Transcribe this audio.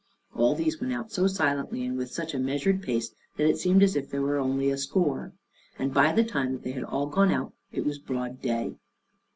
All these went out so silently, and with such a measured pace, that it seemed as if there were only a score. And by the time that they had all gone out it was broad day.